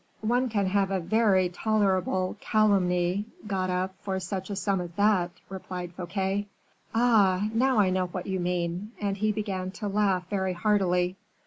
one can have a very tolerable calumny got up for such a sum as that," replied Fouquet. "Ah! now I know what you mean," and he began to laugh very heartily.